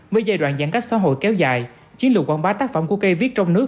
với giai đoạn giãn cách xã hội kéo dài chiến lược quảng bá tác phẩm của cây viết trong nước